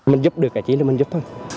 mình giúp được cái gì thì mình giúp thôi